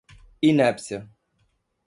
inépcia